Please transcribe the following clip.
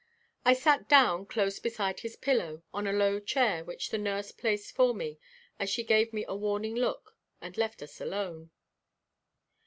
I sat down close beside his pillow on a low chair which the nurse placed for me as she gave me a warning look and left us alone.